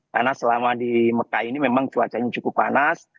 karena selama di mekah ini memang cuacanya cukup panas